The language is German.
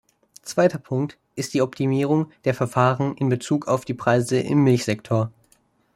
Zweiter Punkt ist die Optimierung der Verfahren in Bezug auf die Preise im Milchsektor.